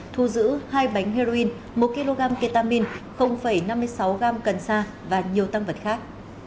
thu giữ hai bánh heroin một kg ketamine năm mươi sáu g cần sa và nhiều tăng vật khác